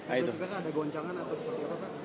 ada goncangan apa seperti apa pak